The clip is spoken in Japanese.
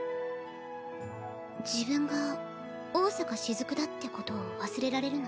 自分が桜坂しずくだってことを忘れられるの。